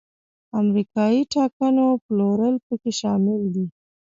امریکایي ټانکونو پلورل پکې شامل دي.